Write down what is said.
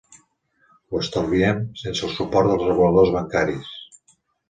Ho estalviem sense el suport dels reguladors bancaris?